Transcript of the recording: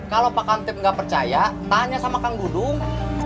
kalau pak kamtip gak percaya tanya sama kang gudung